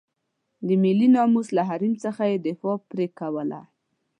د ملي ناموس له حریم څخه یې دفاع پرې کوله.